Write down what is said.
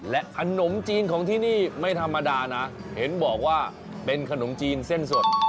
และขนมจีนของที่นี่ไม่ธรรมดานะเห็นบอกว่าเป็นขนมจีนเส้นสด